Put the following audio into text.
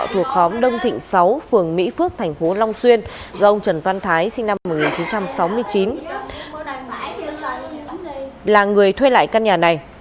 thuộc khóm đông thịnh sáu phường mỹ phước thành phố long xuyên do ông trần văn thái sinh năm một nghìn chín trăm sáu mươi chín là người thuê lại căn nhà này